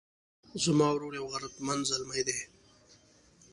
زما ورور یو غیرتمند زلمی ده